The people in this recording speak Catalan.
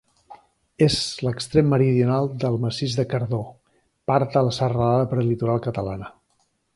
És l'extrem meridional del Massís de Cardó, part de la Serralada Prelitoral Catalana.